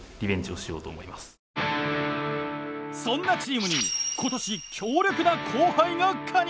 そんなチームに今年強力な後輩が加入！